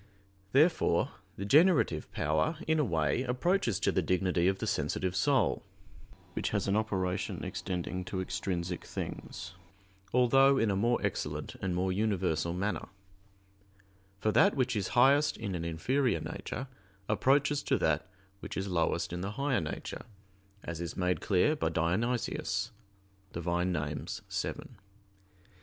Therefore the generative power, in a way, approaches to the dignity of the sensitive soul, which has an operation extending to extrinsic things, although in a more excellent and more universal manner; for that which is highest in an inferior nature approaches to that which is lowest in the higher nature, as is made clear by Dionysius (Div. Nom. vii).